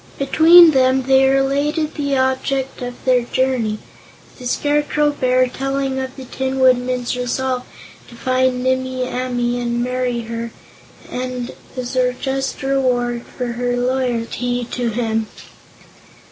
Between them they related the object of their journey, the Scarecrow Bear telling of the Tin Woodman's resolve to find Nimmie Amee and marry her, as a just reward for her loyalty to him.